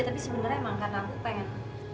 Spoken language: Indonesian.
tapi sebenarnya emang karena aku pengen